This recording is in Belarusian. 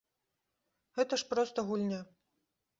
Гэта ж проста гульня.